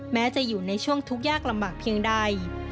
แม้จะอยู่ในช่วงทุกข์ยากลำบากเพียงใด